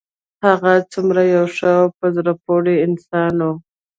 هغه څومره یو ښه او په زړه پورې انسان و